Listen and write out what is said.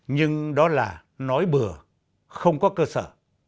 nhưng đó là nói bừa không có cơ sở